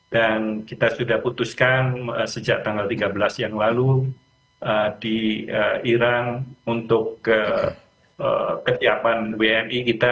dan kita sudah putuskan sejak tanggal tiga belas januari di iran untuk kegiatan wni kita